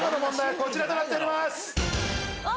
こちらとなっております。